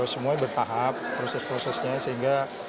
semuanya bertahap proses prosesnya sehingga